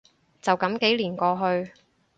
就噉幾年過去